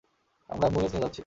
আমরা অ্যাম্বুলেন্স নিয়ে যাচ্ছি!